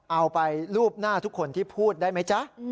เอาไปรูปหน้าทุกคนที่พูดได้ไหมจ๊ะ